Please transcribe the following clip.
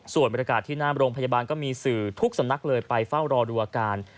ส่วนบรรยากาศที่หน้าโรงพยาบาลก็มีสื่อทุกสำนักเลยไปเฝ้ารอดูอาการ